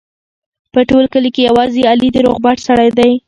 په ټول کلي کې یوازې علي د روغبړ سړی دی.